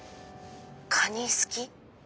カニ好き？